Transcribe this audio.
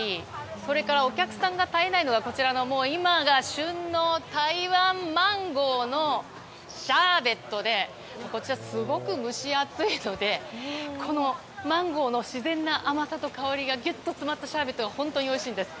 それからお客さんが絶えないのがこちらの今が旬の台湾マンゴーのシャーベットでこちら、すごく蒸し暑いのでこのマンゴーの自然な甘さと香りがギュッと詰まったシャーベットが本当においしいんです。